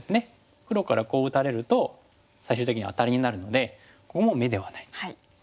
黒からこう打たれると最終的にはアタリになるのでここも眼ではない。